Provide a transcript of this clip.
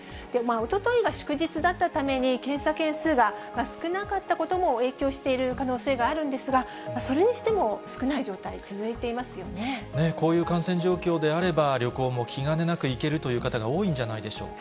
おとといが祝日だったために検査件数が少なかったことも影響している可能性があるんですが、それにしても少ない状態続いていこういう感染状況であれば、旅行も気兼ねなく行けるという方が多いんじゃないでしょうか。